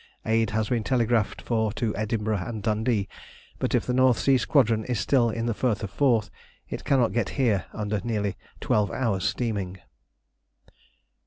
Aid has been telegraphed for to Edinburgh and Dundee; but if the North Sea Squadron is still in the Firth of Forth, it cannot get here under nearly twelve hours' steaming.